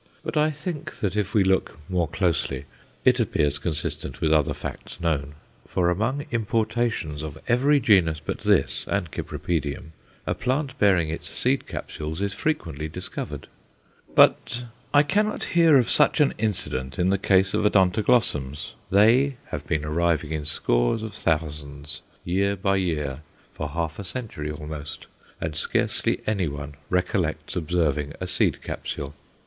But I think that if we look more closely it appears consistent with other facts known. For among importations of every genus but this and Cypripedium a plant bearing its seed capsules is frequently discovered; but I cannot hear of such an incident in the case of Odontoglossums. They have been arriving in scores of thousands, year by year, for half a century almost, and scarcely anyone recollects observing a seed capsule.